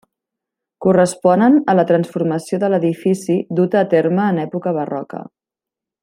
Corresponen a la transformació de l'edifici duta a terme en època barroca.